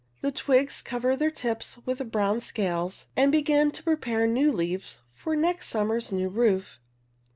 The twigs cover their tips with brown scales and begin to prepare new leaves for next summer's new roof.